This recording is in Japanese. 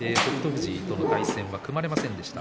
富士との対戦は組まれませんでした。